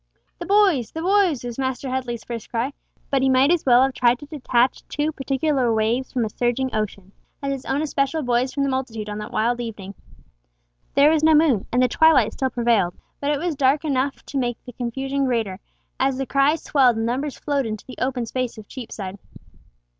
"The boys!—the boys!" was Master Headley's first cry, but he might as well have tried to detach two particular waves from a surging ocean as his own especial boys from the multitude on that wild evening. There was no moon, and the twilight still prevailed, but it was dark enough to make the confusion greater, as the cries swelled and numbers flowed into the open space of Cheapside.